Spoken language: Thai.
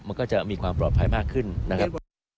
มันก็จะมีความปลอดภัยมากขึ้นนะครับ